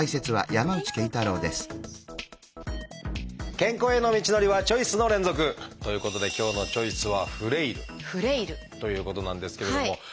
健康への道のりはチョイスの連続！ということで今日の「チョイス」は「フレイル」ということなんですけれども。